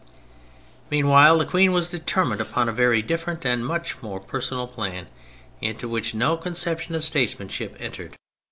Meanwhile the Queen was determined upon a very different and much more personal plan, into which no conception of statesman ship entered.